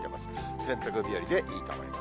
洗濯日和でいいと思います。